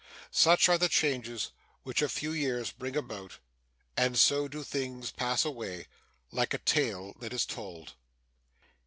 Such are the changes which a few years bring about, and so do things pass away, like a tale that is told!